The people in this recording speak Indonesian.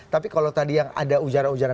tapi kalau tadi yang ada ujara ujara